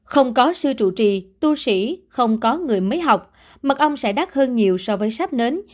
không có sư trụ trì tu sĩ không có người mấy học mật ong sẽ đắt hơn nhiều so với sáp nến